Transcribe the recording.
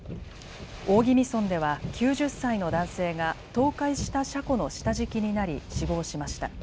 大宜味村では９０歳の男性が倒壊した車庫の下敷きになり死亡しました。